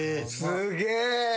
・すげえ！